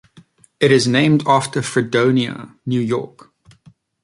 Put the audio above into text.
It is named after Fredonia, New York.